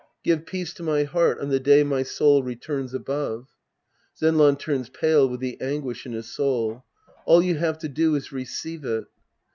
Give peace to my heart on the day my soul returns above. (Zenran turns pale with the anguish in his soul.) All you have to do is receive it.